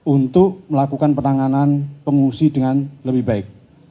untuk melakukan penanganan pengungsi dengan lebih baik